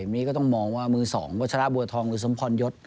นี้ก็ต้องมองว่ามือ๒วัชระบัวทองหรือสมพรยศ